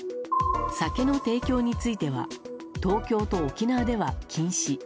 酒の提供については東京と沖縄では禁止。